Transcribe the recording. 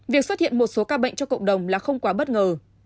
việc xuất hiện một số ca bệnh cho cộng đồng là không quá bất ngờ